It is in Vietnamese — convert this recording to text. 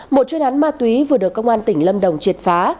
một chuyên án ma túy vừa được công an tỉnh lâm đồng triệt phá